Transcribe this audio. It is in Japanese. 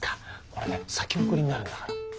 これで先送りになるんだから。